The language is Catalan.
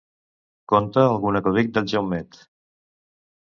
Conta algun acudit d'en Jaumet.